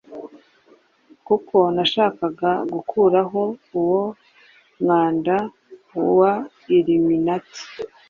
kuko nashakaga gukuraho uwo mwanda wa Illuminati